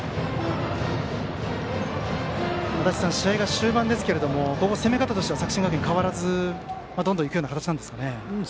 足達さん、試合が終盤ですが攻め方としては作新学院は変わらずどんどん行くような形ですかね。